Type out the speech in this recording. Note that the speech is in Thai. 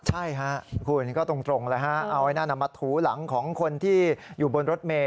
ใช่ค่ะคุณก็ตรงเอาหน้ามาถูหลังของคนที่อยู่บนรถเม